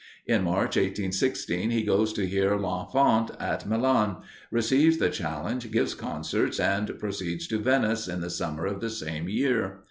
In March, 1816, he goes to hear Lafont at Milan, receives the challenge, gives concerts, and proceeds to Venice in the summer of the same year.